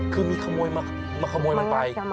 คือมีขโมยมันน่ะไป